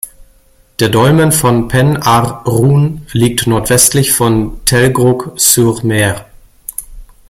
Der Dolmen von Pen-ar-Run liegt nordwestlich von Telgruc-sur-Mer.